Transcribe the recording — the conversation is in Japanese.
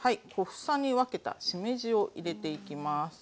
小房に分けたしめじを入れていきます。